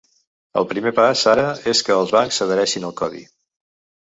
El primer pas ara és que els bancs s’adhereixin al codi.